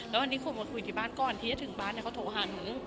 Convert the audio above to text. แล้ววันนี้ผมมาคุยที่บ้านก่อนที่จะถึงบ้านเขาโทรหาหนู